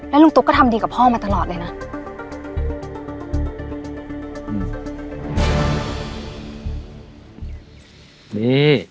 แล้วลุงตุ๊กก็ทำดีกับพ่อมาตลอดเลยนะ